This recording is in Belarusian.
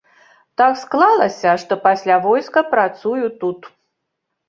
Так склалася, што пасля войска працую тут.